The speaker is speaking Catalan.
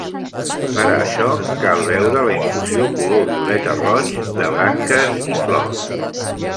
Per a això, cal beure la infusió color violeta roig, de branques i flors.